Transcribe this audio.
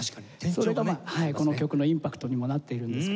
それがまあこの曲のインパクトにもなっているんですけども。